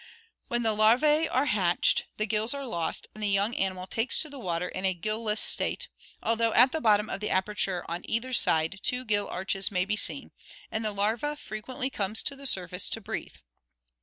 When the larva? are hatched, the gills are lost and the young animal takes to the water in a gill less state, although at the bottom of the aperture on either side two gill arches may be seen, and the larva frequently comes to the sur face to breathe.